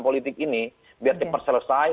politik ini biar diperselesai